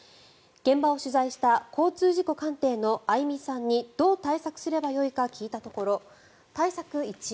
現場を取材した交通事故鑑定の相見さんにどう対策すればよいか聞いたところ対策